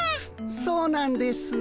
そうなんです。